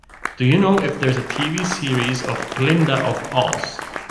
do you know if there is a TV series of Glinda of Oz?